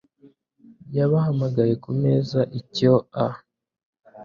yabahamagaye kumeza icyo a